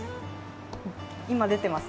今出てます。